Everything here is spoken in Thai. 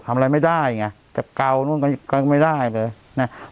ทำอะไรไม่ได้ไงจะเกานู่นก็ไม่ได้เลยนะ